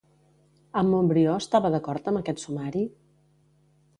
En Montbrió estava d'acord amb aquest sumari?